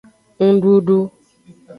Ndudu.